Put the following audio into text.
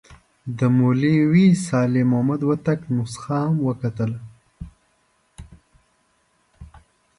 د مولوي صالح محمد هوتک نسخه هم وکتله.